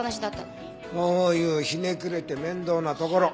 そういうひねくれて面倒なところ。